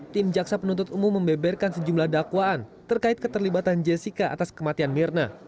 tim jaksa penuntut umum membeberkan sejumlah dakwaan terkait keterlibatan jessica atas kematian mirna